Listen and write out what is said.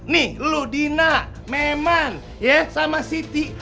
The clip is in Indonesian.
nih lu dina meman ya sama siti